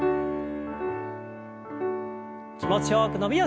気持ちよく伸びをして。